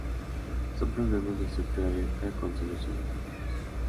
Son problemas de estructura abierta, con soluciones múltiples.